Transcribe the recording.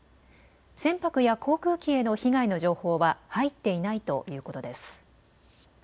船舶や航空機への被害の情報は入っていないということです。